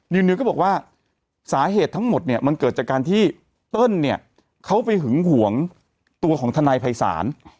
นิวก็บอกว่าสาเหตุทั้งหมดเนี่ยมันเกิดจากการที่เติ้ลเนี่ยเขาไปหึงหวงตัวของทนายภัยศาล